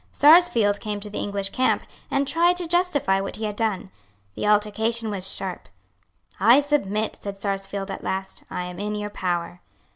Sarsfield came to the English camp, and tried to justify what he had done. The altercation was sharp. "I submit," said Sarsfield, at last: "I am in your power."